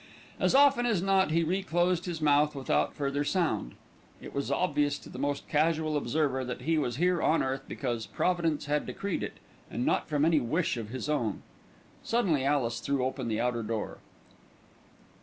As often as not he re closed his mouth without further sound. It was obvious to the most casual observer that he was here on earth because Providence had decreed it, and not from any wish of his own. Suddenly Alice threw open the outer door.